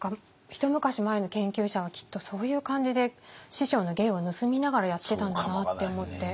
一昔前の研究者はきっとそういう感じで師匠の芸を盗みながらやってたんだなって思って。